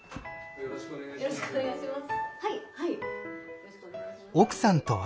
よろしくお願いします。